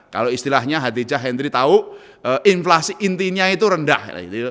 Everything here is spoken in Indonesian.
kalau istilahnya hadijah hendry tahu inflasi intinya itu rendah